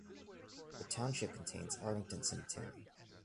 The township contains Arlington Cemetery.